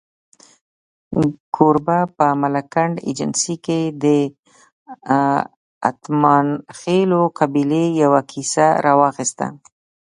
کوربه په ملکنډ ایجنسۍ کې د اتمانخېلو قبیلې یوه کیسه راواخسته.